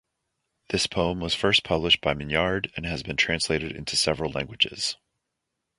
This poem was first published by Mignard, and has been translated into several languages.